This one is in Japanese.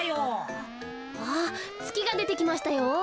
わつきがでてきましたよ。